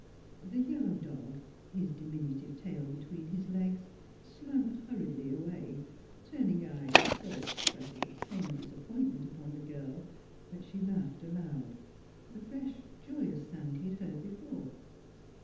The yellow dog, his diminutive tail between his legs, slunk hurriedly away, turning eyes so expressive of pained disappointment upon the girl 1 62 NEIGHBORS that she laughed aloud the fresh joyous sound he had heard before.